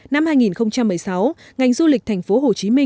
năm hai nghìn một mươi sáu ngành du lịch tp hcm